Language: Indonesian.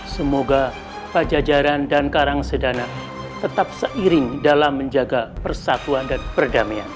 semoga pajajaran dan karangsedana tetap seiring dalam menjaga persatuan dan perdamaian